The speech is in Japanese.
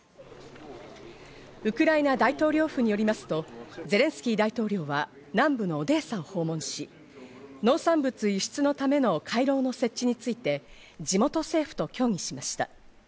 ウクライナ大統領府によりますと、ゼレンスキー大統領は南部のオデーサを訪問し、農産物輸出のための回廊の設置について地元政府と協議しました。